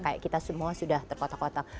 kayak kita semua sudah terkotak kotak